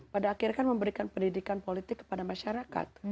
pada akhirnya kan memberikan pendidikan politik kepada masyarakat